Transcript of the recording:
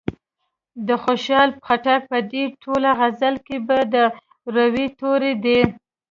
د خوشال خټک په دې ټوله غزل کې ب د روي توری دی.